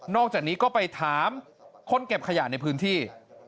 อกจากนี้ก็ไปถามคนเก็บขยะในพื้นที่